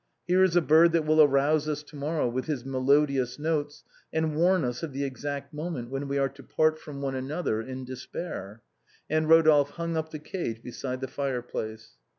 Here is a bird that will arouse us to morrow with his melodious notes, and warn us of the exact moment when we are to part from one another in despair." And Rodolphe hung up the cage beside the fireplace.